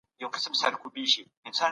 آيا اداري فساد له منځه تللی سي؟